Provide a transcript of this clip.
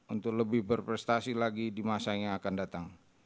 untuk lebih berprestasi lagi di masa yang akan datang